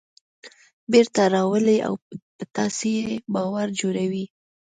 بېرته راولي او په تاسې یې باور جوړوي.